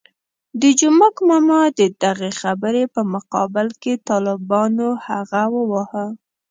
د جومک ماما د دغې خبرې په مقابل کې طالبانو هغه وواهه.